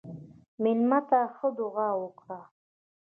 مېلمه ته ښه دعا وکړه.